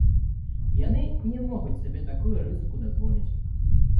Яны не могуць сабе такую рызыку дазволіць.